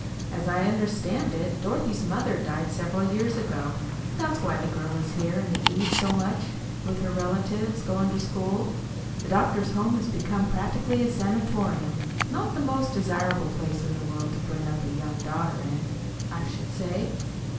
"As I understand it, Dorothy's mother died several years ago. That's why the girl is here in the East so much with her relatives, going to school. The doctor's home has become practically a sanatorium not the most desirable place in the world to bring up a young daughter in, I should say.